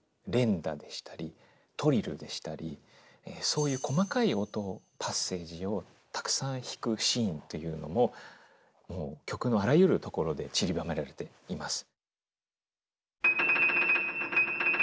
そういう細かい音パッセージをたくさん弾くシーンというのも曲のあらゆるところでちりばめられています。